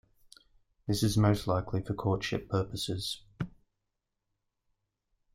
This is most likely for courtship purposes.